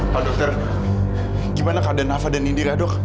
pak dokter gimana keadaan nafa dan indira dok